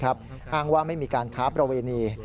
อ้างว่าไม่มีการค้าประเวณี